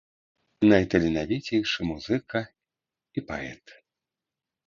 Найталенавіцейшы музыка і паэт.